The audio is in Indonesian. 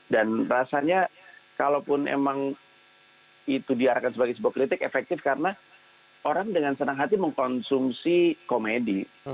dan rasanya kalaupun emang itu diarahkan sebagai sebuah kritik efektif karena orang dengan senang hati mengkonsumsi komedi